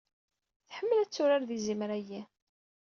Tḥemmel ad turar d yizimer-ayi.